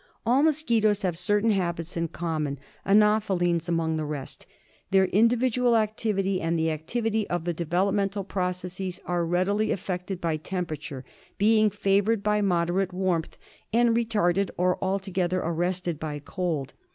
All mosquitoes have certain habits in common, anophelines among the rest. Their individual activity and the activity of the developmental processes are readily affected by temperature, being favoured by moderate warmth, and retarded or altogether arrested by cold.